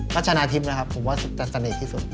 กระจานาทิพย์นะครับผมว่าศึกษาสำเนตที่สุด